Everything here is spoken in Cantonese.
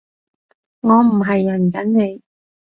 我唔係潤緊你